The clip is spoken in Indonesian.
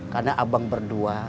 karena abang berdua